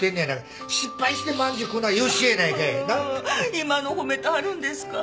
今の褒めてはるんですか？